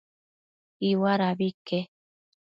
Iuadabi ique